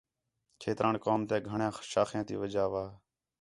کھیتران قوم تیاں گھݨیاں شاخیں تی وجہ وا